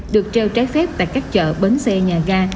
được treo trái phép tại các chợ bến xe nhà ga